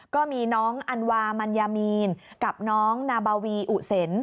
ก็มีน้องอันวามัญญามีนกับน้องนาบาวีอุเซน